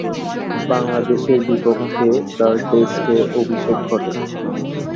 বাংলাদেশের বিপক্ষে তার টেস্টে অভিষেক ঘটে।